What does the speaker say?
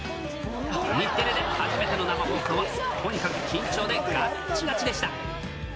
日テレで初めての生放送は、とにかく緊張でがっちがちでした。